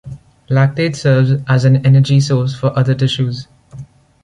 Lactate serves as an energy source for other tissues.